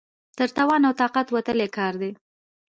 تر توان او طاقت وتلی کار دی.